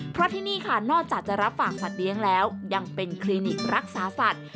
เพราะที่นี่ค่ะนอกจากจะรับฝากสัตว์เลี้ยงแล้วยังเป็นคลินิกรักษาสัตว์